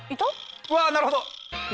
うわぁなるほど。